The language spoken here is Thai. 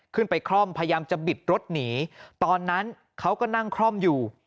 คล่อมพยายามจะบิดรถหนีตอนนั้นเขาก็นั่งคล่อมอยู่